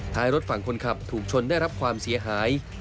รถฝั่งคนขับถูกชนได้รับความเสียหาย